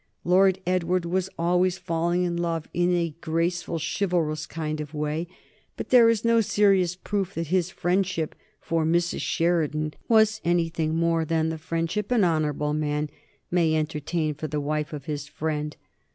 Lord Edward was always falling in love in a graceful, chivalrous kind of way. But there is no serious proof that his friendship for Mrs. Sheridan was anything more than the friendship an honorable man may entertain for the wife of his friend.